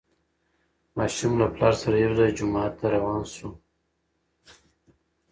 ماشوم له پلار سره یو ځای جومات ته روان شو